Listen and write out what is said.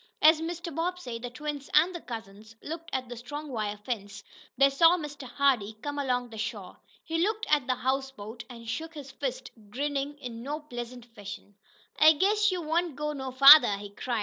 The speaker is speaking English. As Mr. Bobbsey, the twins and the cousins looked at the strong wire fence, they saw Mr. Hardee come along the shore. He looked at the houseboat, and shook his fist, grinning in no pleasant fashion. "I guess you won't go no farther!" he cried.